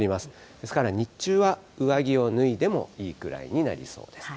ですから、日中は上着を脱いでもいいくらいになりそうです。